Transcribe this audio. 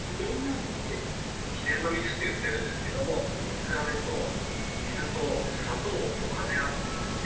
秘伝の蜜って言ってるんですけども水あめと水と砂糖を混ぜ合わせてですね。